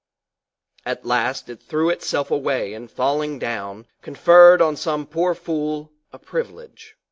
At last it threw itself away and falling down, conferred on some poor fool, a privilege.